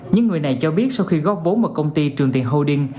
những người này cho biết sau khi góp vốn vào công ty trường tiền holding